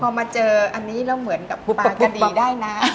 พอมาเจออันนี้แล้วเหมือนกับปลาจะดีได้นะ